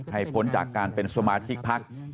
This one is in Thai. พ้นจากการเป็นสมาชิกพัก